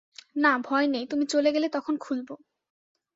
না ভয় নেই, তুমি চলে গেলে তখন খুলব।